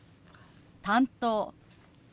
「担当」。